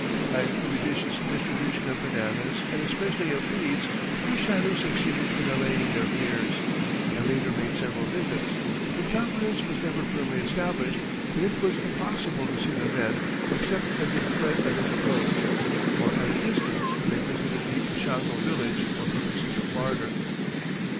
By judicious distribution of bananas, and especially of beads, Du Chaillu succeeded in allaying their fears, and later made several visits, but confidence was never firmly established, and it was impossible to see the men except as they fled at his approach, or at a distance when they visited the Ashango village for purposes of barter.